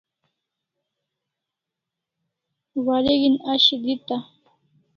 Wareg'in ashi deta